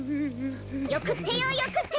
よくってよよくってよ！